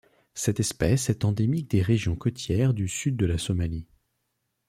Cette espèce est endémique des régions côtières du Sud de la Somalie.